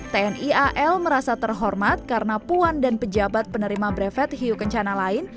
tni al merasa terhormat karena puan dan pejabat penerima brevet hiu kencana lain